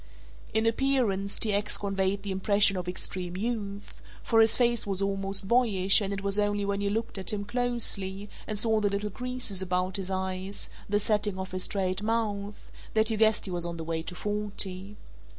In appearance T. X. conveyed the impression of extreme youth, for his face was almost boyish and it was only when you looked at him closely and saw the little creases about his eyes, the setting of his straight mouth, that you guessed he was on the way to forty.